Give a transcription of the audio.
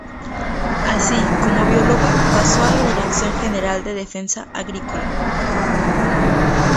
Así, como bióloga pasó a la Dirección General de Defensa Agrícola.